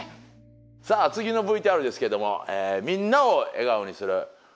さあ次のＶＴＲですけどもみんなを笑顔にする広島の発明王ですね。